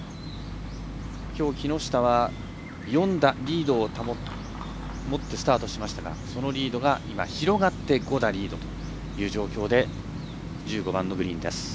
きょう木下は４打リードをもってスタートしましたがそのリードが今、広がって５打リードという状況で１５番のグリーンです。